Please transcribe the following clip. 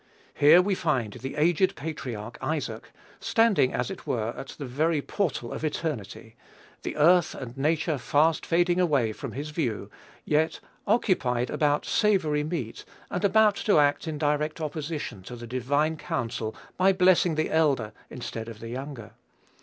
Here we find the aged patriarch Isaac, standing as it were at the very portal of eternity, the earth and nature fast fading away from his view, yet occupied about "savory meat," and about to act in direct opposition to the divine counsel, by blessing the elder instead of the younger.